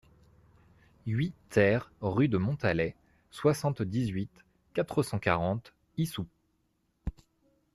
huit TER rue de Montalet, soixante-dix-huit, quatre cent quarante, Issou